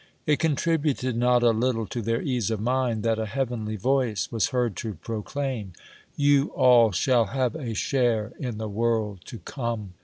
It contributed not a little to their ease of mind that a heavenly voice was heard to proclaim: "You all shall have a share in the world to come."